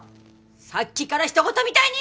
さっきから人ごとみたいに！